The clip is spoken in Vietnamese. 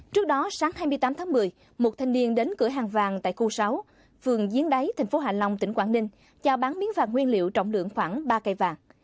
trước đó sáng hai mươi tám tháng một mươi một thanh niên đến cửa hàng vàng tại khu sáu vườn diến đáy thành phố hạ long tỉnh quảng ninh cho bán miếng vàng nguyên liệu trọng lượng khoảng ba cây vàng